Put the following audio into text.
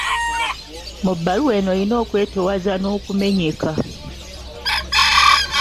Mu bbaluwa eno olina okwetoowaza n'okumenyeka.